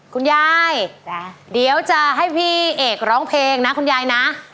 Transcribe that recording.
คุณยายเดี๋ยวจะให้พี่เอกร้องเพลงนะคุณยายนะ